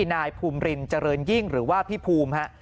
นายภูมรินจริงหรือว่าพี่ภูมิฮะ